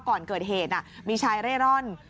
ก่อนเกิดเหตุมีชายเร่ร่อน